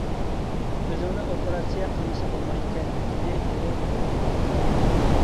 -كۆزۈڭنى ئوپېراتسىيە قىلمىسا بولمايدىكەن، -دېدى ئېرىم بوغۇق ئاۋازدا.